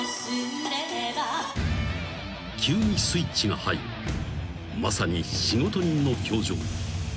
［急にスイッチが入りまさに仕事人の表情］